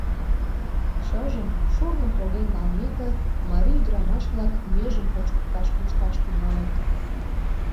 Шыжым, шурным поген налмеке, марий ӱдырамаш-влак межым почкыкташ кошташ тӱҥалыт.